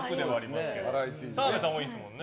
澤部さんは多いですもんね。